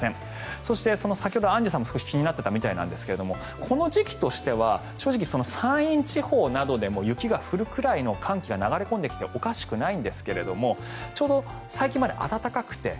そして、先ほどアンジュさんも気になっていたみたいですがこの時期としては正直山陰地方などでも雪が降るぐらいの寒気が流れ込んできてもおかしくないんですがちょうど最近まで暖かくて。